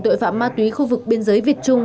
tội phạm ma túy khu vực biên giới việt trung